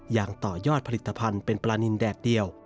ยังต่อยอดผลิตภัณฑ์เป็นปลานินแดดเดียว